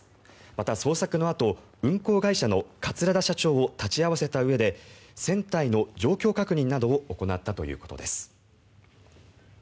また、捜索のあと運航会社の桂田社長を立ち会わせたうえで船体の状況確認などを行ったということです。